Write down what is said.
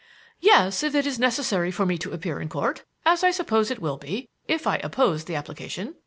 "Yes; if it is necessary for me to appear in Court, as I suppose it will be, if I oppose the application."